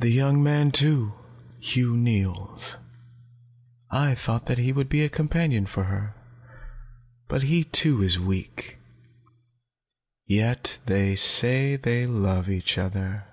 "The young man, too, Hugh Neils. I thought he would be a companion for her. But he too is weak. Yet they say they love each other.